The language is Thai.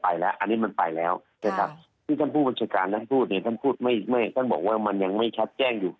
อันนี้ไปแล้วอันนี้มันไปแล้ว